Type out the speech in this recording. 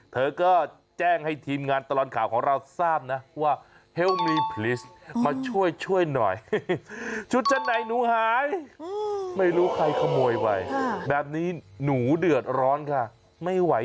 เธอก็แจ้งให้ทีมงานตลอดข่าวของเราทราบนะ